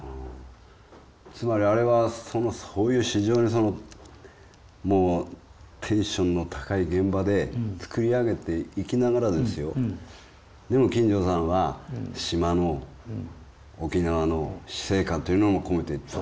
つまりあれはそういう非常にもうテンションの高い現場で作り上げていきながらですよでも金城さんは島の沖縄の死生観というのも込めていった。